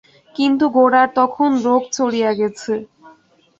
কিন্তু গোরার তখন রোখ চড়িয়া গেছে।